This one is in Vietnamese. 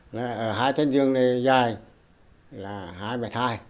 vì hai cái giường này dài là hai m hai